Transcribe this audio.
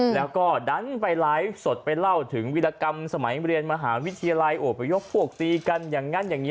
แล้วก็ดันไปไลฟ์สดไปเล่าถึงวิรากรรมสมัยเรียนมหาวิทยาลัยโอบไปยกพวกตีกันอย่างนั้นอย่างนี้